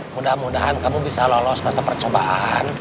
mudah mudahan kamu bisa lolos masa percobaan